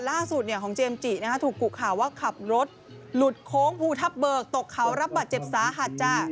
ล่าสุดของเจมส์จิถูกกุข่าวว่าขับรถหลุดโค้งภูทับเบิกตกเขารับบาดเจ็บสาหัสจ้ะ